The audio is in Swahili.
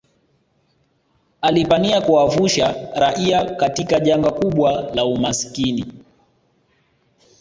alipania kuwavuusha raia katika jangwa kubwa la umasikini